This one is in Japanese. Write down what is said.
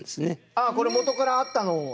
ああこれ元からあったのを。